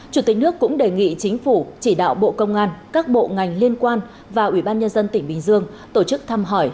chủ tịch nước cũng đề nghị chính phủ chỉ đạo bộ công an các bộ ngành liên quan và ủy ban nhân dân tỉnh bình dương tổ chức thăm hỏi